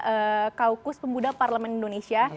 e kaukus pemuda parlemen indonesia